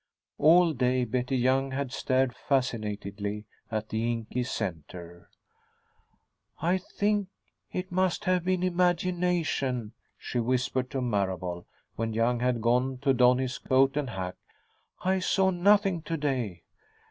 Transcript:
All day, Betty Young had stared fascinatedly at the inky center. "I think it must have been imagination," she whispered to Marable, when Young had gone to don his coat and hat. "I saw nothing to day."